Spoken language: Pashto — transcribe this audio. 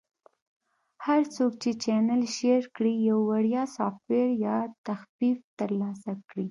- هر څوک چې چینل Share کړي، یو وړیا سافټویر یا تخفیف ترلاسه کړي.